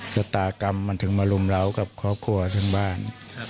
ชะตากรรมมันถึงมารุมร้าวกับครอบครัวทั้งบ้าน